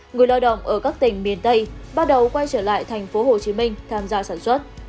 người lao động ở các tỉnh miền tây bắt đầu quay trở lại tp hcm tham gia sản xuất